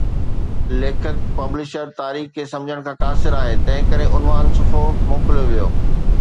ليکڪ، پبلشر، تاريخ کي سمجھڻ کان قاصر آھي تنھنڪري عنوان صفحو موڪليو ويو